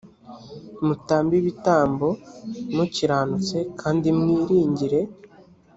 mutambe ibitambo mukiranutse kandi mwiringire